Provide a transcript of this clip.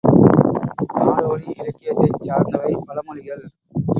நாடோடி இலக்கியத்தைச் சார்ந்தவை பழமொழிகள்.